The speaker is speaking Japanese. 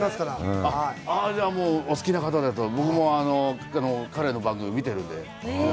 じゃあ、もうお好きな方だと、僕も彼の番組、見てるんで。